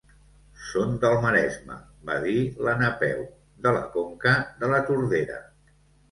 Són del Maresme —va dir la Napeu—, de la conca de la Tordera.